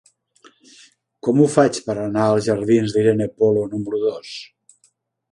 Com ho faig per anar als jardins d'Irene Polo número dos?